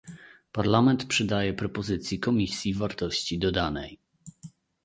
Parlament przydaje propozycji Komisji wartości dodanej